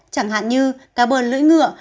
chẳng hạn như cá bờ lưỡi ngựa